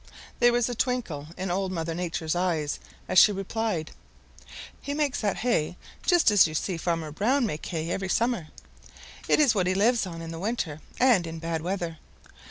There was a twinkle in Old Mother Nature's eyes as she replied, "He makes that hay just as you see Farmer Brown make hay every summer. It is what he lives on in the winter and in bad weather.